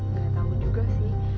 gak tahu juga sih